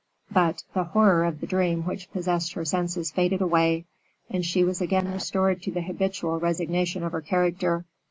But the horror of the dream which possessed her senses faded away, and she was again restored to the habitual resignation of her character.